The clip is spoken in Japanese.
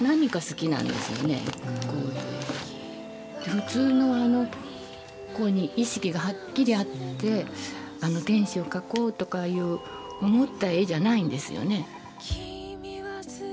普通のこういうふうに意識がはっきりあって天使を描こうとかいう思った絵じゃないんですよね。